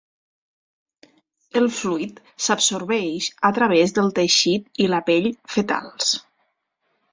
El fluid s'absorbeix a través del teixit i la pell fetals.